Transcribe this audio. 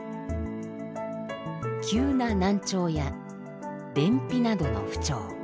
急な難聴や便秘などの不調。